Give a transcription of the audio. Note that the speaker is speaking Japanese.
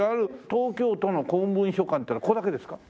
東京都の公文書館っていうのはここだけですか？